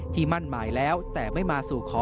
มั่นหมายแล้วแต่ไม่มาสู่ขอ